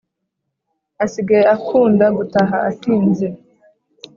Asigaye akunda gutaha atinze